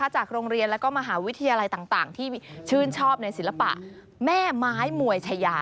จากโรงเรียนและมหาวิทยาลัยต่างที่ชื่นชอบในศิลปะแม่ไม้มวยชายา